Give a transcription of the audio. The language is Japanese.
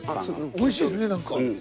おいしいですね何か。